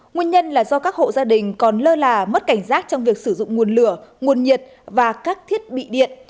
nguyên nhân là do các hộ gia đình còn lơ là mất cảnh giác trong việc sử dụng nguồn lửa nguồn nhiệt và các thiết bị điện